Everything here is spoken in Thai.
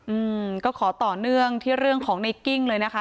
อืมก็ขอต่อเนื่องที่เรื่องของในกิ้งเลยนะคะ